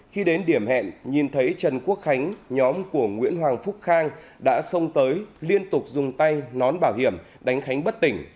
khi đến điểm hẹn nhìn thấy trần quốc khánh nhóm của nguyễn hoàng phúc khang đã xông tới liên tục dùng tay nón bảo hiểm đánh khánh bất tỉnh